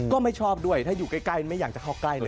ก็ไม่ชอบด้วยถ้าอยู่ใกล้ไม่อยากจะเข้าใกล้เลย